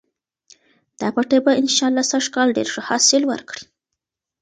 دا پټی به انشاالله سږکال ډېر ښه حاصل ورکړي.